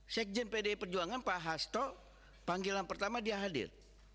sekjen pdi perjuangan pak hasto panggilan pertama dia hadir